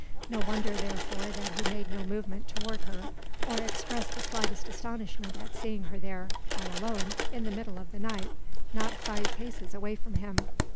No wonder therefore that he made no movement toward her, or expressed the slightest astonishment at seeing her there, all alone, in the middle of the night, not five paces away from him.